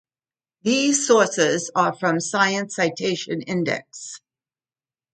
These sources are from the science citation index.